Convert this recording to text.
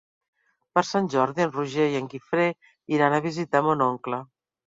Per Sant Jordi en Roger i en Guifré iran a visitar mon oncle.